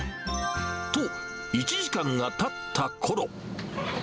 と、１時間がたったころ。